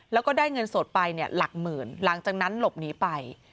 แล้วก็ได้เงินสดไปเนี่ยหลักหมื่นหลังจากนั้นหลบหนีไป